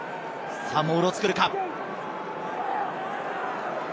モールを作るか？